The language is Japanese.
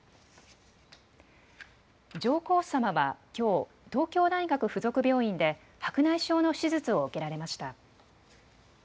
上皇さまはきょう、東京大学附属病院で白内障の手術を受けられました。